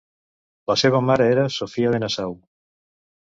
La seva mare era Sofia de Nassau.